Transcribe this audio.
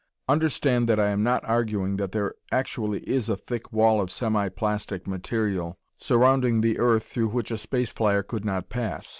Understand that I am not arguing that there actually is a thick wall of semi plastic material surrounding the earth through which a space flyer could not pass.